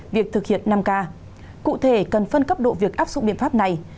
việc thực hiện năm k cụ thể cần phân cấp độ việc áp dụng biện pháp này